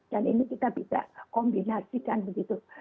dan ini kita bisa kombinasikan begitu